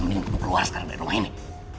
mending keluar sekarang dari rumah ini